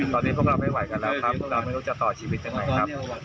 ตอนนี้พวกเราไม่ไหวกันแล้วครับพวกเราไม่รู้จะต่อชีวิตยังไงครับ